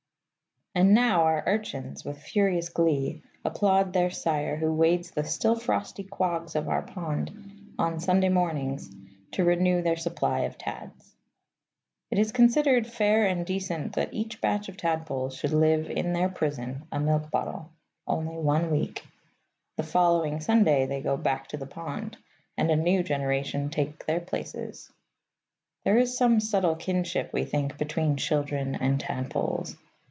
And now our urchins, with furious glee, applaud their sire who wades the still frosty quags of our pond, on Sunday mornings, to renew their supply of tads. It is considered fair and decent that each batch of tadpoles should live in their prison (a milk bottle) only one week. The following Sunday they go back to the pond, and a new generation take their places. There is some subtle kinship, we think, between children and tadpoles.